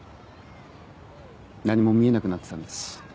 何も見えなくなってたんです